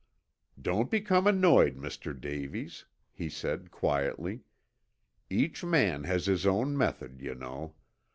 "Don't become annoyed, Mr. Davies," he said quietly. "Each man his own method, you know.